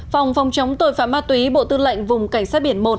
phòng phòng chống tội phạm ma túy bộ tư lệnh vùng cảnh sát biển một